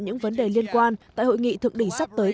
những vấn đề liên quan tại hội nghị thượng đỉnh sắp tới